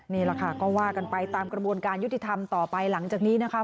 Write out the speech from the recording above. นี่แหละค่ะก็ว่ากันไปตามกระบวนการยุติธรรมต่อไปหลังจากนี้นะคะ